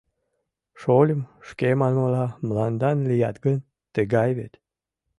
— Шольым, шке манмыла, мландан лият гын, тыгай вет.